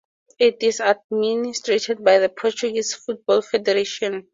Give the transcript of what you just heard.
It is administrated by the Portuguese Football Federation.